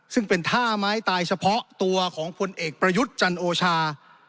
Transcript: ซึ่งเป็นท่าไม้ตายเฉพาะตัวของพลเอกประยุทธ์จันโอชา